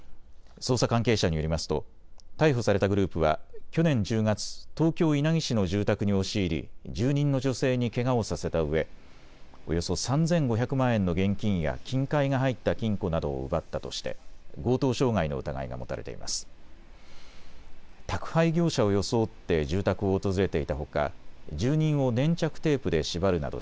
捜査関係者によりますと逮捕されたグループは去年１０月、東京稲城市の住宅に押し入り住人の女性にけがをさせたうえおよそ３５００万円の現金や金塊が入った金庫などを奪ったとして強盗傷害の疑いが持たれています。